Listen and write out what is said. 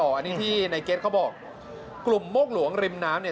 อันนี้ที่ในเก็ตเขาบอกกลุ่มโมกหลวงริมน้ำเนี่ย